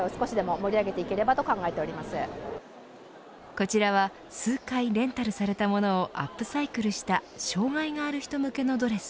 こちらは数回レンタルされたものをアップサイクルした障害がある人向けのドレス。